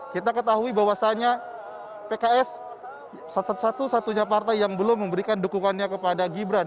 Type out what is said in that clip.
kita ketahui bahwasannya pks satu satunya partai yang belum memberikan dukungannya kepada gibran